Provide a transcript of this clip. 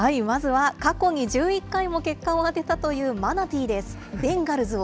まずは過去に１１回も結果を当てたというマナティーです。